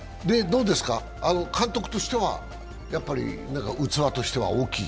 監督としては器としては大きい？